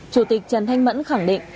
chủ tịch trần thanh mẫn khẳng định